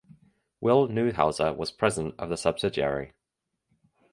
Will Neuhauser was president of the subsidiary.